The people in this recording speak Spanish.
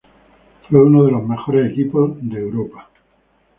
Fue uno de los mejores equipos de Europa.